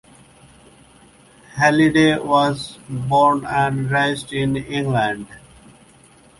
Halliday was born and raised in England.